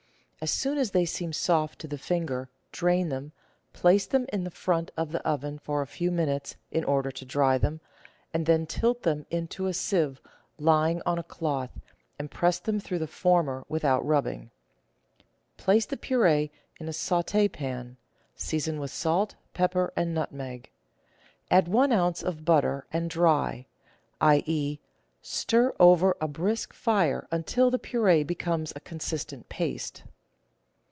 As soon, as they seem soft to the finger, drain them, place them in the front of the oven for a few minutes in order to dry them, and then tilt them into a sieve lying on a cloth, and press them through the former without rubbing. Place the pur^e in a saut^pan ; season with salt, pepper, and nutmeg; add one oz. of butter, and dry; i.e., stir over a brisk fire until the pur^e becomes a consistent paste.